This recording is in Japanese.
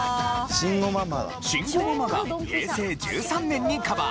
慎吾ママが平成１３年にカバー。